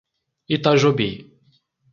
Itajobi